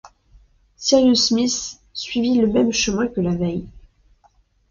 Cyrus Smith suivit le même chemin que la veille.